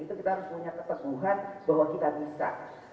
itu kita harus punya keteguhan bahwa kita bisa